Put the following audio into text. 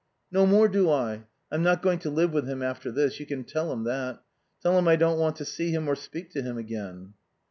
"No more do I. I'm not going to live with him after this. You can tell him that. Tell him I don't want to see him or speak to him again."